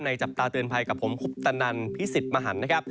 จับตาเตือนภัยกับผมคุปตนันพิสิทธิ์มหันนะครับ